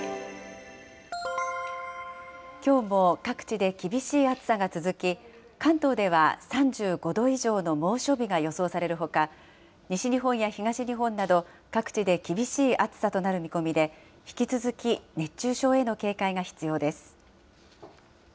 きょうも各地で厳しい暑さが続き、関東では３５度以上の猛暑日が予想されるほか、西日本や東日本など、各地で厳しい暑さとなる見込みで、引き続き熱中症への警戒が必要です。